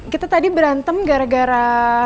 kita tadi berantem gara gara